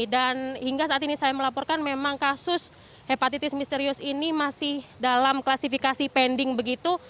dan hingga saat ini saya melaporkan memang kasus hepatitis misterius ini masih dalam klasifikasi pending begitu